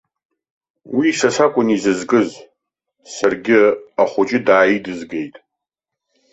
Уи са сакәын изызкыз, саргьы ахәыҷы дааидызгеит.